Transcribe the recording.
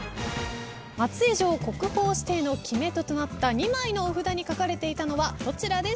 松江城国宝指定の決め手となった２枚のお札に書かれていたのはどちらでしょうか？